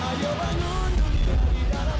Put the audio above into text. ayo bangun beautiful di dalam